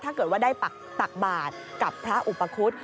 ถ้าเกิดว่าได้ตักบาทกับพระอุปคุฎ